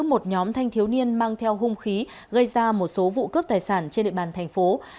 một nhóm thanh thiếu niên mang theo hung khí gây ra một số vụ cướp tài sản trên địa bàn thành phố